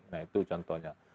nah itu contohnya